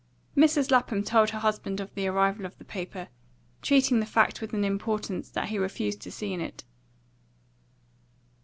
Mrs. Lapham told her husband of the arrival of the paper, treating the fact with an importance that he refused to see in it.